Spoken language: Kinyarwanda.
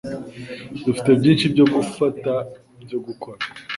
Dufite byinshi byo gufata byo gukora.